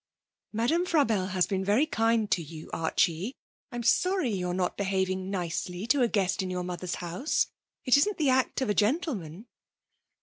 'Madame Frabelle has been very kind to you, Archie. I'm sorry you're not behaving nicely to a guest in your mother's house. It isn't the act of a gentleman.'